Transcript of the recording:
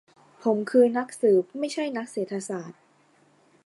ผมคือนักสืบ ไม่ใช่นักเศรษฐศาสตร์